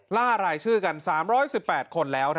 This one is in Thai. ล่ารายชื่อกัน๓๑๘คนแล้ว